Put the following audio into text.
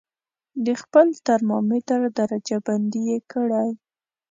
د خپل ترمامتر درجه بندي یې کړئ.